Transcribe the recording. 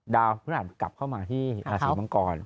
ดาวพฤหัสกลับเข้ามาที่หลาสศิริมังกร